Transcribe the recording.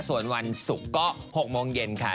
ส่วนวันศุกร์ก็๖โมงเย็นค่ะ